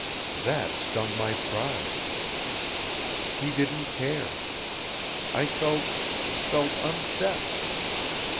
That stung my pride. He didn't care. I felt felt unsexed!